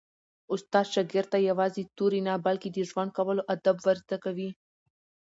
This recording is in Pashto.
استاد شاګرد ته یوازې توري نه، بلکي د ژوند کولو آداب ور زده کوي.